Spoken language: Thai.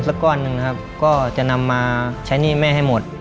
ก้อนหนึ่งนะครับก็จะนำมาใช้หนี้แม่ให้หมด